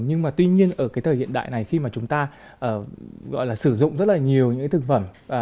nhưng mà tuy nhiên ở cái thời hiện đại này khi mà chúng ta gọi là sử dụng rất là nhiều những cái thực phẩm